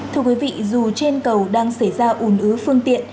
thưa quý vị dù trên cầu đang xảy ra ủn ứ phương tiện